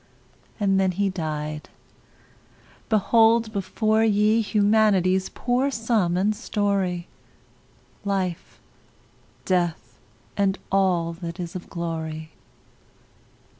And then he died! Behold before ye Humanity's poor sum and story; Life, Death, and all that is of glory.